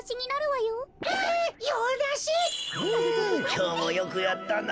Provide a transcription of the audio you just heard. きょうもよくやったな。